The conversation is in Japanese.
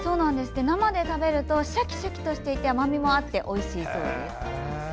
生で食べるとシャキシャキとして甘みもあっておいしいそうです。